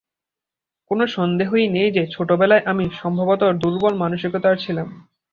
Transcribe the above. কোন সন্দেহই নেই যে ছোটবেলায় আমি সম্ভবত দুর্বল মানসিকতার ছিলাম।